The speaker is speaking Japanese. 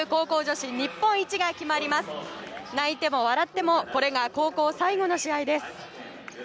泣いても笑ってもこれが高校最後の試合です。